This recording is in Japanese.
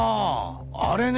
あれね。